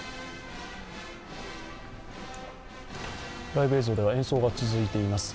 ライブ映像では演奏が続いています。